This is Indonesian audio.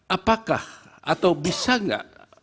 apakah atau bisa nggak